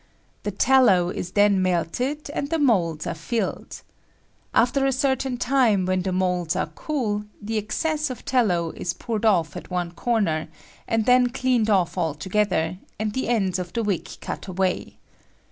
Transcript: The tallow is then melted, and the moulds are filled. After a certain time, when the moulds are cool, the excess of tallow is poured off at one comer, and then cleaned off altogether, and the ends of the wick cut away.